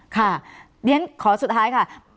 ค่ะอย่างนั้นขอสุดท้ายค่ะ